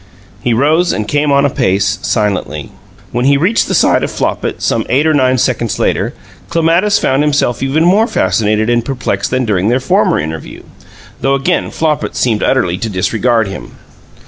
He rose and came on apace, silently. When he reached the side of Flopit, some eight or nine seconds later, Clematis found himself even more fascinated and perplexed than during their former interview, though again Flopit seemed utterly to disregard him.